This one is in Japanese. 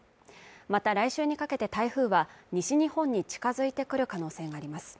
また来週にかけて台風は西日本に近づいてくる可能性があります